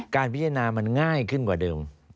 การพิจารณามันง่ายขึ้นกว่าเดิม